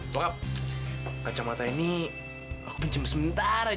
pokap kacamata ini aku pinjam sebentar aja ya